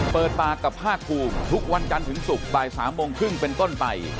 เปิดปากกับภาคภูมิทุกวันจันทร์ถึงศุกร์บ่าย๓โมงครึ่งเป็นต้นไป